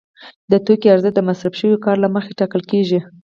د توکي ارزښت د مصرف شوي کار له مخې ټاکل کېږي